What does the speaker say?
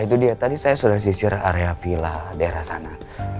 itu dia tadi saya sudah sisir area villa daerah sana